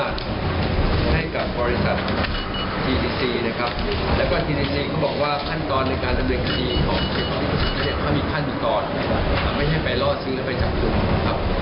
ดีกว่าท่านก่อนในการอำนวยคตีของเทพฯภาพมีคั่นอยู่ก่อนไม่ใช่ไปรอซื้อและไปจับคุณครับ